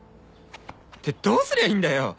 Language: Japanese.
ってどうすりゃいいんだよ！